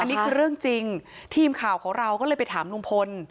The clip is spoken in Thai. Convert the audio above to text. อันนี้คือเรื่องจริงทีมข่าวของเราก็เลยไปถามลุงพล